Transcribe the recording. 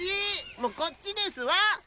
もうこっちですわ！